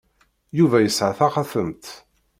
Yuba yesɛa taxatemt.